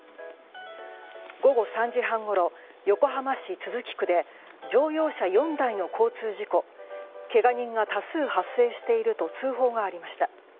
午後３時半ごろ、横浜市都筑区で乗用車４台の交通事故けが人が多数発生していると通報がありました。